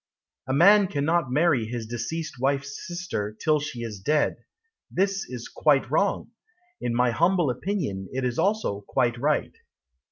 A man cannot marry his deceased wife's sister Till she is dead. This is quite wrong. In my humble opinion It is also quite right.